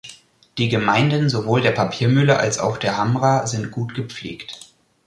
Die Gemeinden sowohl der Papiermühle als auch der Hamra sind gut gepflegt.